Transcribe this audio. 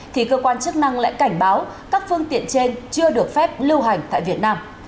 thì cơ quan chức năng lại cảnh báo các phương tiện trên chưa được phép lưu hành tại việt nam